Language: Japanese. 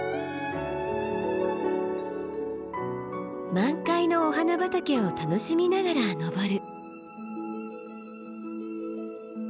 満開のお花畑を楽しみながら登る。